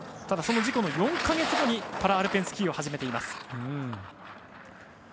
ただ、その事故の４か月後パラアルペンスキーを始めています。